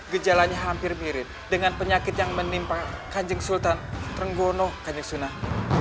gejalanya hampir mirip dengan penyakit yang menimpa kanjeng sultan trenggono kanjeng sunnah